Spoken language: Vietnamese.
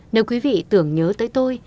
nếu quý vị tưởng nhớ tới tôi